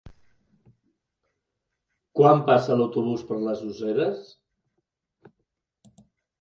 Quan passa l'autobús per les Useres?